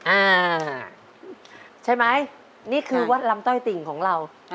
อ่าใช่ไหมนี่คือวัดลำต้อยติ่งของเรา